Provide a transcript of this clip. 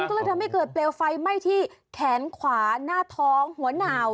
ก็เลยทำให้เกิดเปลวไฟไหม้ที่แขนขวาหน้าท้องหัวหนาว